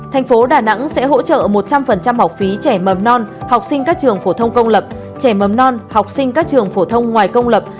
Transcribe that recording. thành phố đà nẵng sẽ hỗ trợ một trăm linh học phí trẻ mầm non học sinh các trường phổ thông công lập trẻ mầm non học sinh các trường phổ thông ngoài công lập